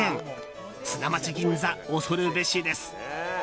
砂町銀座、恐るべしです。